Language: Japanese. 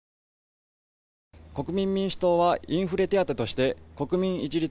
国民民主党はインフレ手当として国民一律